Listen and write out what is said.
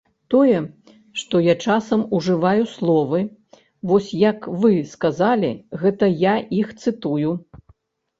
Тое, што я часам ужываю словы, вось як вы сказалі, гэта я іх цытую.